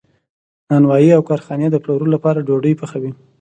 نانوایی او کارخانې د پلورلو لپاره ډوډۍ پخوي.